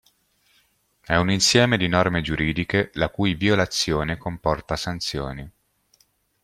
È un insieme di norme giuridiche, la cui violazione comporta sanzioni.